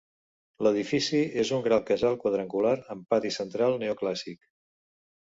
L'edifici és un gran casal quadrangular amb pati central, neoclàssic.